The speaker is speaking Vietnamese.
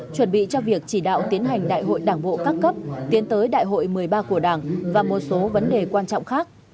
chuẩn bị cho việc chỉ đạo tiến hành đại hội đảng bộ các cấp tiến tới đại hội một mươi ba của đảng và một số vấn đề quan trọng khác